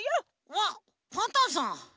あっパンタンさん！